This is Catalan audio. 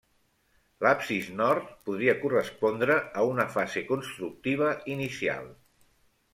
L'absis nord podria correspondre a una fase constructiva inicial.